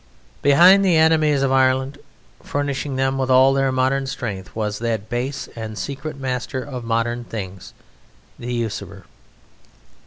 Behind the enemies of Ireland, furnishing them with all their modern strength, was that base and secret master of modern things, the usurer.